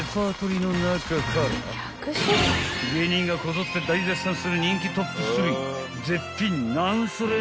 ［芸人がこぞって大絶賛する人気トップ３］